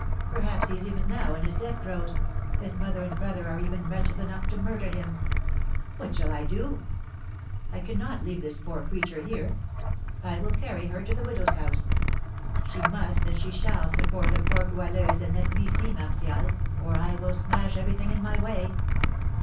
Perhaps he is even now in his death throes his mother and brother are even wretches enough to murder him! What shall I do? I cannot leave this poor creature here, I will carry her to the widow's house. She must and she shall succour the poor Goualeuse and let me see Martial, or I will smash everything in my way.